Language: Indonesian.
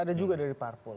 ada juga dari parpol